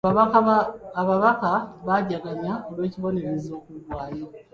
Ababaka nga bajaganya olw'ekibonerezo okugwaayo.